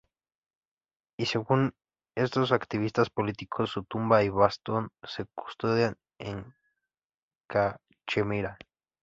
Y según estos activistas políticos su tumba y bastón se custodian en Cachemira.